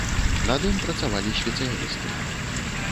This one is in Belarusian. Над ім працавалі спецыялісты.